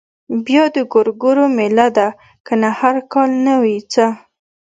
بيا د ګورګورو مېله ده کنه هر کال نه وي څه.